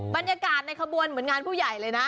บรรยากาศในขบวนเหมือนงานผู้ใหญ่เลยนะ